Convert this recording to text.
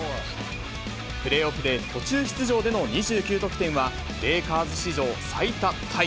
プレーオフで途中出場での２９得点はレイカーズ史上最多タイ。